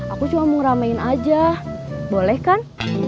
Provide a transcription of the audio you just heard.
aku cuma mau ramein aja boleh kan